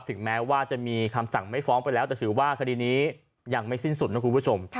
ถึงแม้ว่าจะมีคำสั่งไม่ฟ้องไปแล้วแต่ถือว่าคดีนี้ยังไม่สิ้นสุดนะคุณผู้ชม